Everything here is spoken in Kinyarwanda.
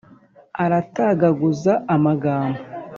aratagaguza amagambo.